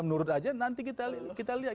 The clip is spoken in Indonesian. nur aja nanti kita lihat